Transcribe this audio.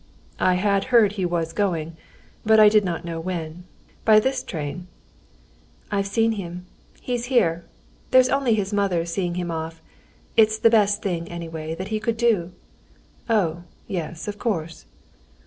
"I had heard he was going, but I did not know when. By this train?" "I've seen him. He's here: there's only his mother seeing him off. It's the best thing, anyway, that he could do." "Oh, yes, of course."